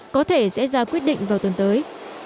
có thể sẽ ra quyết định vào tuần tới